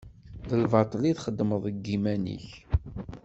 D lbaṭel i txedmeḍ deg yiman-ik.